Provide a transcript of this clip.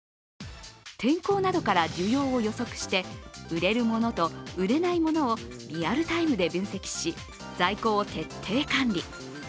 天候などから需要を予測して、売れるものと売れないものをリアルタイムで分析し在庫を徹底管理。